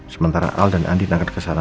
sementara al dan andin akan kesana